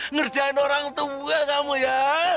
ngerjain orang tua kamu ya